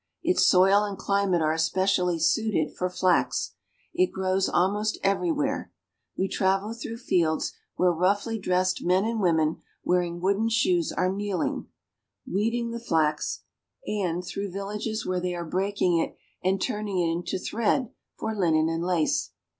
Its soil and climate are especially suited for flax. It grows almost everywhere. We travel through fields where roughly dressed men and women wearing wooden shoes are kneeling, weeding the flax, and through villages THE BUSIEST WORKSHOP OF EUROPE. 129 where they are breaking it and turning it into thread for linen and lace.